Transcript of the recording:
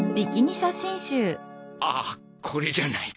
ああこれじゃない